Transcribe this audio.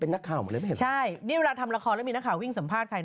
นางคิดแบบว่าไม่ไหวแล้วไปกด